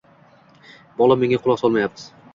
Bolam menga quloq solmayapti.